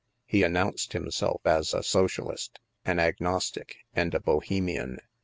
He an nounced himself as a socialist, an agnostic, and a Bohemian.